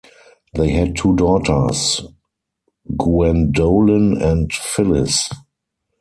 They had two daughters, Guendolen and Phyllis.